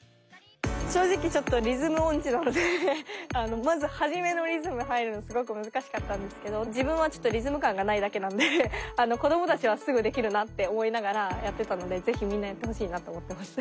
正直ちょっとリズム音痴なのでまず初めのリズムに入るのがすごく難しかったんですけど自分はちょっとリズム感がないだけなんで子どもたちはすぐできるなって思いながらやってたので是非みんなやってほしいなと思ってます。